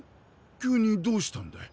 急にどうしたんだい？